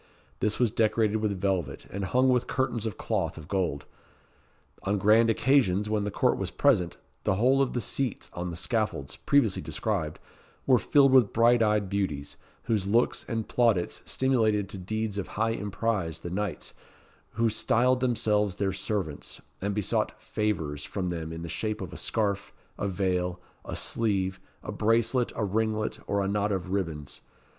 This was decorated with velvet, and hung with curtains of cloth of gold. On grand occasions, when all the court was present, the whole of the seats on the scaffolds, previously described, were filled with bright eyed beauties, whose looks and plaudits stimulated to deeds of high emprise the knights, who styled themselves their "servants," and besought "favours" from them in the shape of a scarf, a veil, a sleeve, a bracelet, a ringlet, or a knot of ribands.